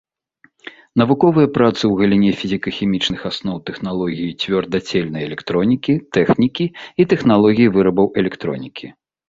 Навуковыя працы ў галіне фізіка-хімічных асноў тэхналогіі цвёрдацельнай электронікі, тэхнікі і тэхналогіі вырабаў электронікі.